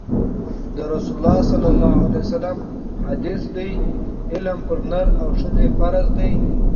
د رسول الله ﷺ حدیث دی: علم پر نر او ښځي فرض دی